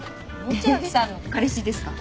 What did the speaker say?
千明さんの彼氏ですか？